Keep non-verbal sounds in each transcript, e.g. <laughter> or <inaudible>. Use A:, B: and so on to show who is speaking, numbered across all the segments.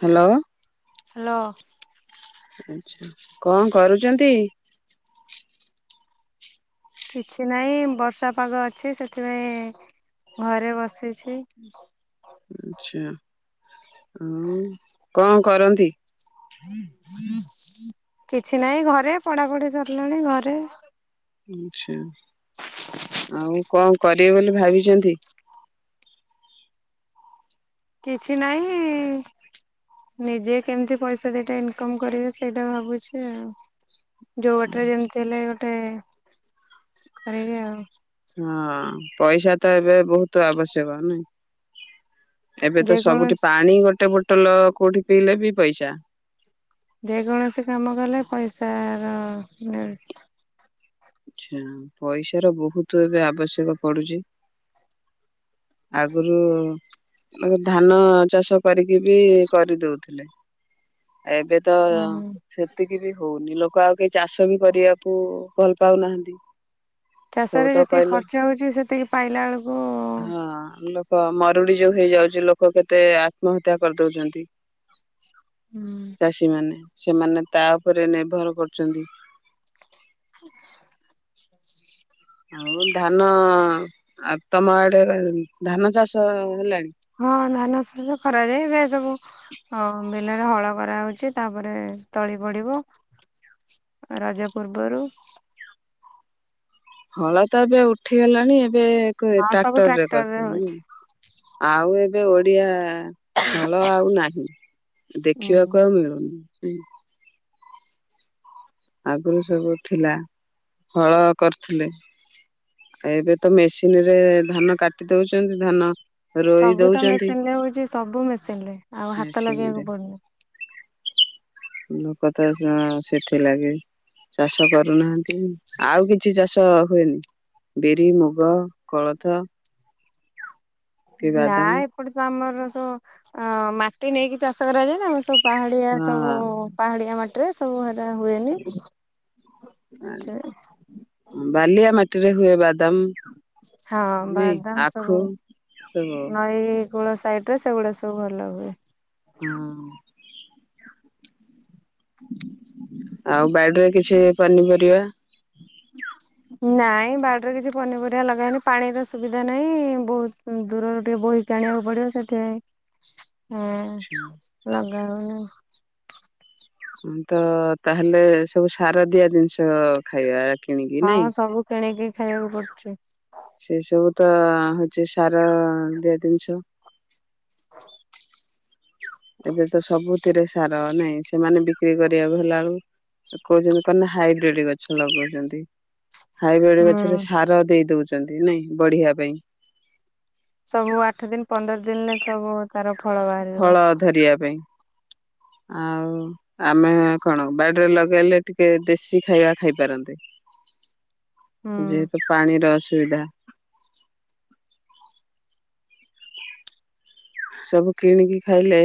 A: Hello
B: hello.
A: ଆଚ୍ଛା କଣ କରୁଛନ୍ତି?
B: କିଛି ନାହିଁ ବର୍ଷା ପାଗ ଅଛି ସେଥିପାଇଁ ଘରେ ବସିଛି
A: ଆଚ୍ଛା। ହଁ କଣ କରନ୍ତି?
B: ହୁଁ ହ। କିଛି ନାହିଁ ଘରେ ପଢାପଢି ସରିଲାଣି ଘରେ।
A: ଆଚ୍ଛା ଆଉ କଣ କରିବେ ବୋଲି ଭାବିଛନ୍ତି?
B: କିଛି ନାହିଁ ନିଜେ କେମିତି ପଇସା ଦିଇଟା ଇନକମ କରିବି ସେଇଟା ଭାବୁଛି ଆଉ। ଯୋଉ ବାଟରେ ଯେମିତି ହେଲେ ମତେ କରିବି ଆଉ
A: ହଁ ପଇସା ତ ଏବେ ବହୁତ ଆବଶ୍ୟକ ନାଇଁ ଏବେ ତ ସବୁଠି
B: ଯେକୌଣସି
A: ପାଣି ଗୋଟେ ଗୋଟେ ହୋଟଲ କୋଉଠି ପିଇଲେ ବି ପଇସା।
B: ଯେକୌଣସି କାମ କଲେ ପଇସାର ମିଳୁ
A: ଆଚ୍ଛା ପଇସ ର ବହୁତ ଏବେ ଆବଶ୍ୟକ ପଡୁଛି। ଆଗରୁ ଧାନ ଚାଷ। କରିକି ବି କରିଦଉଥିଲେ। ଏବେ ତ
B: ହଁ
A: ସେତିକି ବି ହଉନି ଲୋକ ଆଉ କେହି ଚାଷ ବି କରିବାକୁ ଭଲ ପାଉନାହାନ୍ତି। ସବୁ
B: ଚାଷରେ
A: ତ
B: ଯେତିକି
A: କହିଲେ
B: ଖର୍ଚ୍ଚ ହଉଛି ସେତିକି ପାଇଲା ବେଳକୁ
A: ହଁ ଲୋକ ମରୁଡି ଯୋଉ ହେଇଯାଉଛି ଲୋକ କେତେ ଆତ୍ମହତ୍ୟା କରିଦଉଛନ୍ତି।
B: ହୁଁ
A: ଚାଷୀ ମାନେ। ସେମାନେ ତା ଉପରେ ନିର୍ଭର କରୁଛନ୍ତି।
B: <inaudible>
A: ଆଉ ଧାନ ଆଉ ତମ ଆଡ଼େ ଧାନ ଚାଷ ହେଲାଣି।
B: ହଁ ଧାନ ସାନ କରାଯାଏ ଏବେ ସବୁ ହଁ ବିଲରେ ହଳ କରାହଉଛି ତାପରେ ତଳି ପଡ଼ିବ ରଜ ପୂର୍ବରୁ।
A: ଫଳ ତ ଏବେ ଉଠିଗଲାଣି ଏ ଏବେ
B: ହଁ ସବୁ
A: ଟ୍ରାକ୍ଟରରେ
B: ଟ୍ରାକ୍ଟର ରେ
A: କରି
B: ହଉଛି
A: ଆଉ ଏବେ ଏବେ ଓଡିଆ ହଳ ଆଉ ନାହିଁ।
B: ହୁଁ।
A: ଦେଖିବାକୁ ଆଉ ମିଳୁନି। <unintelligible> ଆଗରୁ ସବୁ ଥିଲା ହଳ କରୁଥିଲେ ଏବେ ତ ମେସିନ୍ ରେ ଧାନ କାଟି ଦଉଛନ୍ତି ଧାନ ରୋଇ
B: ସବୁ ତ
A: ଦଉଛନ୍ତି
B: ମେସିନ୍ ରେ ହଉଛି ସବୁ ମେସିନ୍ ରେ ଆଉ ହାତ
A: ମେସିନ ରେ
B: ଲଗେଇବାକୁ ପଡ଼ୁନି।
A: ଲୋକ ତ ସେଥିଲାଗି ଚାଷ କରୁନାହାନ୍ତି ଆଉ କିଛି ଚାଷ ହୁଏନି ବିରି ମୁଗ କୋଳଥ। କି
B: ନା
A: ବାଦାମ
B: ଏପଟେ ତ ଆମର ଚ ଆ ମାଟି ନେଇକି ଚାଷ କରାଯାଏ ନା ଆମର ସବୁ ପାହାଡିଆ ସବୁ
A: ହଁ
B: ପାହାଡିଆ ମାଟି ରେ ସବୁ ହେରା ହୁଏନି।
A: ବାଲିଆ ମା ଟିରେ ହୁଏ ବା
B: ହଁ ବାଦାମ
A: ଆଖୁ
B: ସବୁ
A: ସବୁ
B: ନଈ କୂଳ ସାଇଟ୍ ରେ ସେଗୁଡ଼ା ସବୁ ଭଲ ହୁଏ।
A: ହୁଁ। ଆଉ ବାଡ଼ିରେ କିଛି ପନିପରିବା
B: ନାଇଁ ବାଡ଼ରେ କିଛି ପନିପରିବା ଲଗାଏନି ପାଣିର ସୁବିଧା ନାହିଁ ବହୁତ ଦୂରରୁ ଟିକେ ବହିକି ଆଣିବାକୁ ପଡିବ ସେଥିପାଇଁ ହୁଁ ଲଗ ଆଉ
A: ତ ତାହେଲେ ସବୁ ସାର ଦିଆ ଜିନିଷ ଖାଇବା କିଣିକି ନାଇଁ
B: ହଁ ସବୁ କିଣିକି ଖାଇବାକୁ ପଡ଼ୁଛି।
A: ସେ ସବୁ ତ ହଉଛି ସାର ଦିଆ ଜିନିଷ। ଏବେ ତ ସବୁଥିରେ ସାର ନାଇଁ ସେମାନେ ବିକ୍ରି କରିବାକୁ ହେଲା ବେଳୁ କହୁଛନ୍ତି କଣ ନା ହାଇବ୍ରିଡ ଗଛ ଲଗଉଛନ୍ତି। ହାଇବ୍ରିଡ଼
B: ହୁଁ
A: ଗଛରେ ସାର ଦେଇ ଦଉଚ ଯାନ୍ତି ନାଇଁ ବଢିବା ପାଇଁ।
B: ସବୁ ଆଠ ଦିନ ପନ୍ଦର ଦିନିଲେ ସବୁ ତାର ଫଳ ବାହାରିବ
A: ଫଳ ଧରିବା ପାଇଁ। ଆଉ ଆମେ କଣ ବାଡ଼ିରେ ଲଗେଇଲେ ଟିକେ ଦେଶୀ ଖାଇବା ଖାଇପାରନ୍ତେ।
B: ହୁଁ
A: ଯେହେତୁ ପାଣିର ଅସୁବିଧା। ସବୁ କିଣିକି ଖାଇଲେ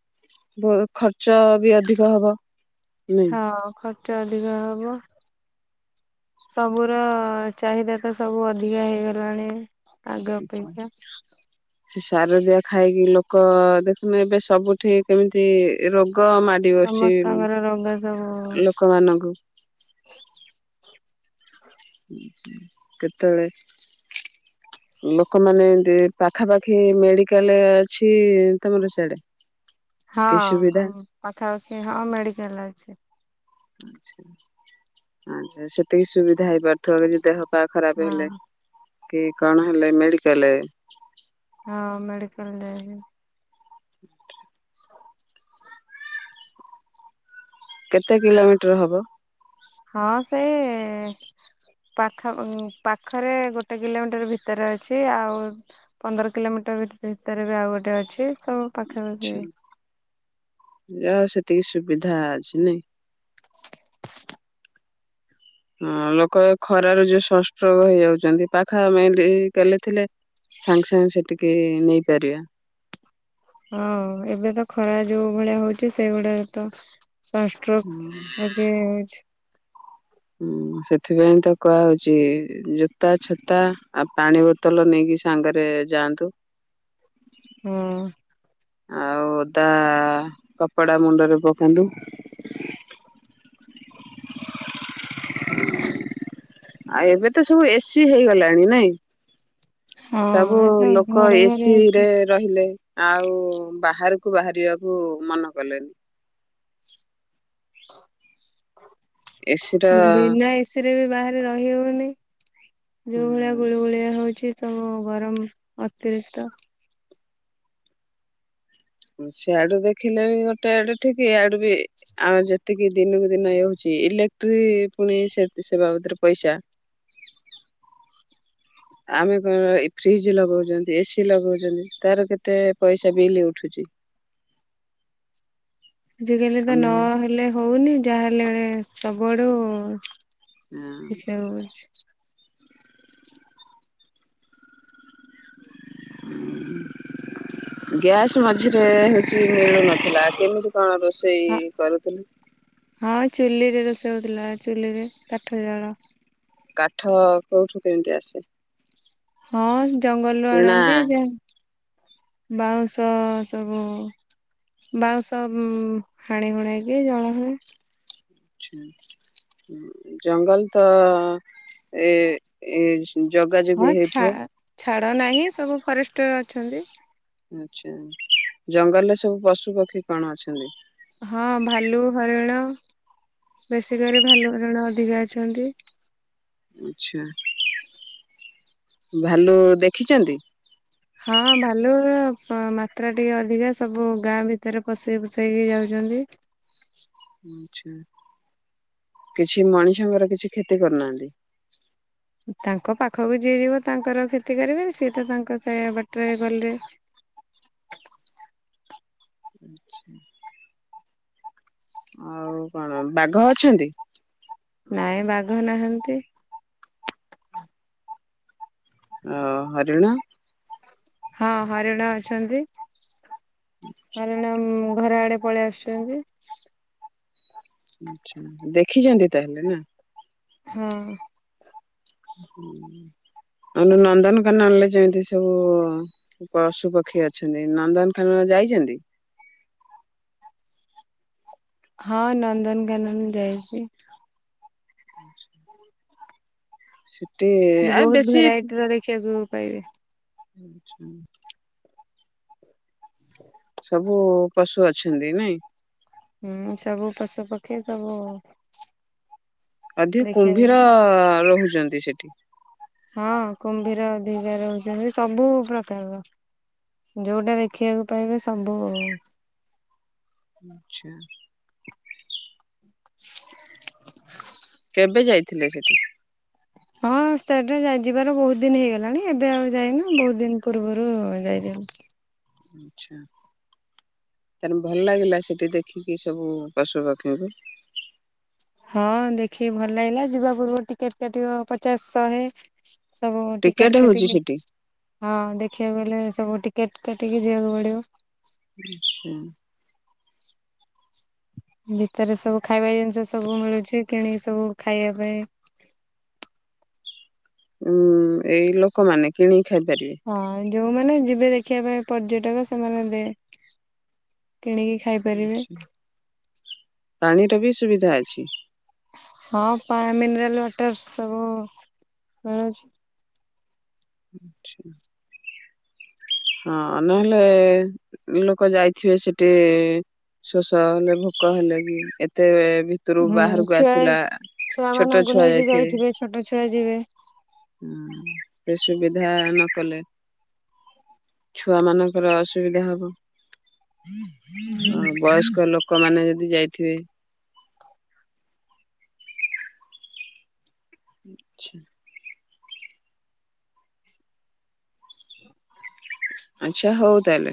A: <inaudible> ବ ଖର୍ଚ୍ଚ ବି ଅଧିକ ହବ। ନାଇଁ।
B: ହଁ ଖର୍ଚ୍ଚ ଚ ଅଧିକ ହବ। ସବୁର ଚାହିଦା ତ ସବୁ ଅଧିକା ହେଇଗଲାଣି। ଆଗ ଅପେକ୍ଷା
A: ସେ ସାର ଦିଆ ଖାଇକି ଲୋକ ଦେଖୁନ ଏବେ ସବୁଠି କେମିତି ରୋଗ। ଆଗ ମାଡି ବସିଚି
B: ସମସ୍ତଙ୍କର ରୋଗ ସବୁ
A: <inaudible> ଲୋକମାନାନଙ୍କୁ। <inaudible> କେତେବେଳେ <inaudible> ଲୋକମାନେ ଏ ପାଖାପାଖି ମେଡିକାଲ ଅଛି ତମର ସିଆଡେ
B: ହଁ
A: କି ସୁବିଧା?
B: ଆମ ପାଖାପାଖି ହଁ ମେଡିକାଲ ଅଛି।
A: <inaudible> ଆଛା ଆଛା ସେତିକି ସୁବିଧା ହେଇପାରୁଥିବ ଯଦି ଦେହ ପାହା ଖରାପ
B: ହଁ
A: ହେଲେ କି କଣ ହେଲେ ମେଡ଼ିକାଲ
B: ହଁ ମେଡିକାଲ ଯାଇକି
A: <inaudible> କେତେ କିଲୋମିଟର ହବ।
B: ହଁ ସେଇ <inaudible> ପାଖ ପାଖରେ ଗୋଟେ କିଲୋମିଟର ଭିତରେ ଅଛି, ଆଉ ପନ୍ଦର କିଲୋମିଟର ଭିତରେ ବି ଆଉ ଗୋଟେ ଅଛି। ସବୁ ପାଖାପାଖି
A: ଯା ହଉ ସେତିକି ସୁବିଧା ଅଛି ନାଇଁ। ହଁ ଲୋକ ଖରାରୁ ଯୋଉ ସଂଷ୍ଟ୍ରୋକ ହେଇଯାଉଛନ୍ତି, ପାଖ ମେଡ଼ିକାଲ ଥିଲେ ସାଙ୍ଗେ ସାଙ୍ଗେ ସେଠିକି ନେଇପାରିବା।
B: ହଁ ଏବେ ତ ଖରା ଯୋଉ ଭଳିଆ ହଉଚି, ସେଇଗୁଡାରେ ତ ସଂଷ୍ଟ୍ରୋକ ଆଗେ ହୋ
A: ହୁଁ ସେଥିପାଇଁ ତ କୁହା ହଉଚି, ଜୋତା ଛୋତା ଆଉ ପାଣି ବୋତଲ ନେଇକି ସାଙ୍ଗରେ ଯାଆନ୍ତୁ।
B: ହଁ
A: ଆଉ ଓଦା କପଡା ମୁଣ୍ଡରେ ପକାନ୍ତୁ, ଆଉ ଏବେ ତ ସବୁ ଏସି ହେଇଗଲାଣି ନାଇଁ। ସବୁ
B: ହଁ ଏ ତ
A: ଲୋକ
B: ଘରେ
A: ଏ
B: ଘରେ
A: ସି ରେ
B: ଏସି
A: ରହିଲେ। ଆଉ ବାହାରକୁ ବାହାରିବାକୁ ମନ କଲେନି।
B: <inaudible>
A: ଏ ସି ର
B: ବିନା ଏସି ବି ବାହାରେ ରହି ହଉନି। ଦଉଳିଆ
A: ହୁଁ
B: ଗୁଳୁ ଗୁଳିଆ ହୋଉ ଅଛି ତମ ଗରମ ଅତିରିକ୍ତ <inaudible>
A: ସିଆଡୁ ଦେଖିଲେ ବି ଗୋଟେ ଆଡେ ଠିକଇ ଆଡୁ ଆମ ଯେ ଏତିକି ଦିନକୁ ଦିନ ହେଉଚି ଇଲେକ୍ଟ୍ରିକ ପୁଣି ସେ ସେ ବାବଦରେ ପଇସା। ଆମେ କଣ ଫ୍ରିଜ ଲଗାଉଛନ୍ତି, ଏସିି ଲଗଉଛନ୍ତି, ତାର କେତେ ପଇସା ବିଲ ଉଠୁଚି।
B: ଆଜିକାଲି ତ ନହେଲେ। ହୋଉନି ଯାହାହେଲେ ବ ସବୁଆଡୁ ସେଛ
A: ଗ୍ୟାସ୍ ମଝିରେ ହଉଛି ମିଳୁନଥିଲା କେମିତି କଣ ର ସେଇ କରୁଥିଲୁ।
B: ହଁ ଚୁଲିରେ ରୋଷେଇ ହେଉଥିଲା ଚୁଲିରେ କାଠ ଜାଳ
A: କାଠ କୋଉଠୁ କେମିତି ଆସେ
B: ହଁ ଜଙ୍ଗଲରୁୁ
A: କିଣା?
B: ଆଣନ୍ତି ଯ ବାଉଁଶ ସବୁ ବାଉଁଶ ହାଣି ହୁଣେଇକି ଜଳ ହୁଏ।
A: ଆଛା ଜଙ୍ଗଲ ତ ଏ ଜଗା
B: ହଁ
A: ଜଗି
B: ଛ
A: ହେଇଥିବ
B: ଛାଡ ନାହିଁ ସବୁ ଫରେଷ୍ଟ ଡକ୍ଟର ଅଛନ୍ତି।
A: ଆ୍ଛା ଜଙ୍ଗଲରେ ସବୁ ପଶୁ ପକ୍ଷୀ କଣ ଅଛନ୍ତି।
B: ହଁ ଭାଲୁ ହରିଣ ବେଶୀିକ ଭାଲୁ ହରିଣ ଅଧିକା ଅଛନ୍ତି।
A: ଆଚ୍ଛା ଭାଲୁ ଦେଖିଛନ୍ତି।
B: ହଁ ଭାଲୁ ମାତ୍ରା ଟିକେ ଅଧିକା ସବୁ ଗାଁ ଭିତରେ ପଷେଇ ପଷେଇକି ଯାଉଛନ୍ତି।
A: କିଛି ମଣିଷଙ୍କର କିଛି କ୍ଷତି କରୁନାହାନ୍ତି।
B: ତାଙ୍କ ପାଖକୁ ଯିଏ ଯିବ ତାଙ୍କର କ୍ଷତି କରିବେ ସିଏ ତ ତାଙ୍କ ସେ ବାଟରେ ଗଲେ
A: ଆଛା ଆଉ କଣ ବାଘ ଅଛନ୍ତି।
B: ନାଇଁ ବାଘ ନାହାନ୍ତି।
A: ଅ ହରିଣ
B: ହଁ ହରିଣ ଅଛନ୍ତି। ମରଣ ଘର ଆଡେ ପଳେଇ ଆସୁଛନ୍ତି।
A: ଆଛା ଦେଖିଛନ୍ତି ତାହେଲେ ନା
B: ହଁ
A: ହଁ ଆ ନନ୍ଦନକାନନରେ ଯେମିତି ସବୁ ପଶୁପକ୍ଷୀ ଅଛନ୍ତି ନନ୍ଦନକାନନ ଯାଇଛନ୍ତି।
B: ହଁ ନନ୍ଦନକନନ ଯାଇଛି।
A: ସତ
B: ବହୁତ ଭେରାଇଟି ର ଦେଖିବାକୁ ପାଇାଇରେ
A: ଆଛା ସବୁ ପଶୁ ଅଛନ୍ତି ନାଇଁ
B: ହୁଁ ସବୁ ପଶୁ ପକ୍ଷୀ ସବୁ
A: ଅଧିକ
B: ଦେଖିବାକୁ
A: କୁମ୍ଭୀର
B: ପାଇବେ।
A: ରହୁଛି। ସେଠି
B: ହଁ କୁମ୍ଭୀର ଦିିକ ର ହଉଛନ୍ତି ସବୁ ପ୍ରକାରର ଯୋଉଟା ଦେଖିବାକୁ ପାଇବେ ସବୁ।
A: ଆଛା କେବେ ଯାଇଥିଲେ ସେଠି
B: ହଁ ସେଠା ଯିବାର ବହୁତ ଦିନ ହେଇଗଲାଣି ଏବେ ଆଉ ଯାଇନ ବହୁତ ଦିନ ପୂର୍ବରୁ ଯାଇଅ
A: ଆଛା ତାେଲେ ଭଲ ଲାଗିଲା ସେଠି ଦେଖିକି ସବୁ ପଶୁପଖୀଙ୍କୁ
B: ହଁ ଦେଖିକି ଭଲ ଲାଗିଲା ଯିବା ପୂର୍ବ ଟିକେଟ କାଟିବ ପଚାଶ ଶହେ ସବୁ
A: ଟିକେଟ
B: ଟିକେଟଟ
A: ହଉଛି
B: ହଁ
A: ସେଠି?
B: ଦେଖିବାକୁ ଗଲେ ସବୁ କେଟ କାଟିକି ଯିବାକୁ ପଡିବ।
A: ଆଛା
B: ଭିତରେ ସବୁ ଖାଇବା ଜିନିଷ ସବୁ ମିଳୁଛି କିଣିକି ସବୁ ଖାଇବା ପାଇଁ
A: ହୁଁ ଏଇ ଲୋକମାନୋନ କିଣିି ଖାଇପାରିବେ।
B: ହଁ ଯୋଉମାନେ ଯିବେ ଦେଖିବା ପାଇଁ ପର୍ଯ୍ୟଟକ ସେମାନେ ଦେ କିଣିକି ଖାଇପାରିବେ
A: ପାଣି ର ବି ସୁବିଧା ଅଛି।
B: <unintelligible>
A: ଆଚଛା। ହଁ ନହେଲେ ଲୋକ ଯାଇଥିବେ ସେଠି ଶୋଷ ହେଲେ ଭୋକ ହେଲେ କି ଏତେ ଭିତରୁ
B: ହୁଁ
A: ବାହାରକୁ
B: ଛୁଆ
A: ଆସିଲା
B: ଛୁଆ
A: ଛୋଟ
B: ମାନଙ୍କୁ
A: ଛୁଆ
B: ନେଇକି ଯାଇଥିବେ ଛୋଟ ଛୁଆ ଯିବେ
A: ହଁ ସେ ସୁବିଧା ନ କଲେ ଛୁଆ ମାନଙ୍କର ଅସୁବିଧା ହବ ବୟସ୍କ ଲୋକମାନୋନେ ଯଦି ଯାଇ ଖିବେ ଆଚ୍ଛା।
B: ହ।
A: ଆଚଛା ହଉ ତାହଲେ।